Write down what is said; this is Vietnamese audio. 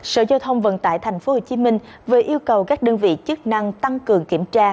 sở giao thông vận tải tp hcm vừa yêu cầu các đơn vị chức năng tăng cường kiểm tra